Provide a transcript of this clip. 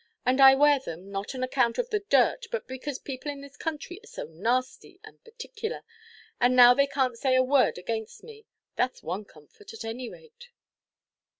And I wear them, not on account of the dirt, but because people in this country are so nasty and particular; and now they canʼt say a word against me. Thatʼs one comfort, at any rate."